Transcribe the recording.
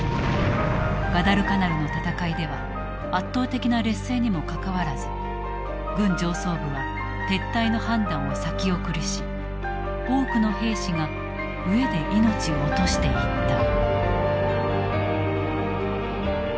ガダルカナルの戦いでは圧倒的な劣勢にもかかわらず軍上層部は撤退の判断を先送りし多くの兵士が飢えで命を落としていった。